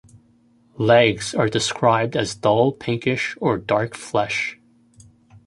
Legs are described as dull pinkish or dark flesh.